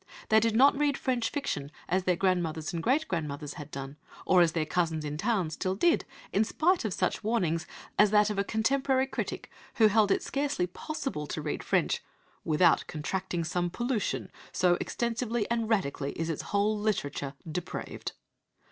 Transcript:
They did not read French fiction as their grandmothers and great grandmothers had done, or as their cousins in town still did in spite of such warnings as that of a contemporary critic who held it scarcely possible to read French "without contracting some pollution, so extensively and radically is its whole literature depraved."